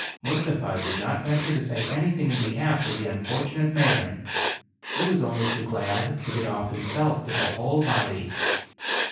Mustapha did not venture to say anything in behalf of the unfortunate man ; he was only too glad to get off himself with a whole body.